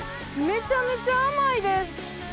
めちゃめちゃ甘いです！